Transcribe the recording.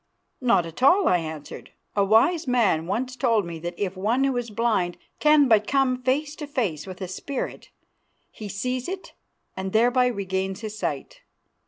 "Not at all," I answered. "A wise man once told me that if one who is blind can but come face to face with a spirit, he sees it and thereby regains his sight.